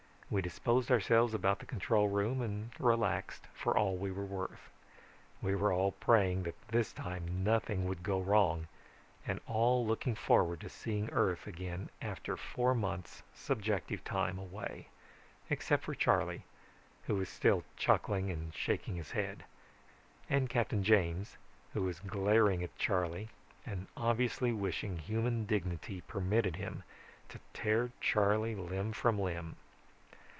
We disposed ourselves about the control room and relaxed for all we were worth. We were all praying that this time nothing would go wrong, and all looking forward to seeing Earth again after four months subjective time away, except for Charley, who was still chuckling and shaking his head, and Captain James who was glaring at Charley and obviously wishing human dignity permitted him to tear Charley limb from limb.